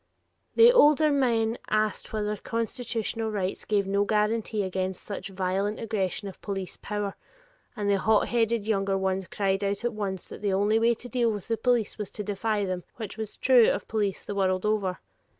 The older men asked whether constitutional rights gave no guarantee against such violent aggression of police power, and the hot headed younger ones cried out at once that the only way to deal with the police was to defy them, which was true of police the world over.